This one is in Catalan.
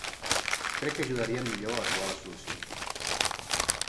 Crec que ajudarien millor a trobar les solucions.